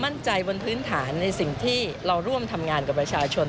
ในสิ่งที่เราร่วมทำงานกับประชาชน